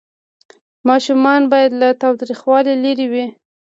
ماشومان باید له تاوتریخوالي لرې وي.